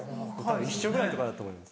一緒ぐらいとかだと思います。